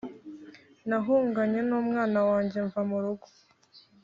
nahunganye n umwana wanjye mva mu rugo